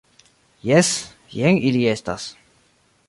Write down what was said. Jes; jen ili estas.